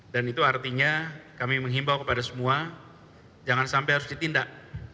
dan itu artinya kami menghimbau kepada semua jangan sampai harus ditindak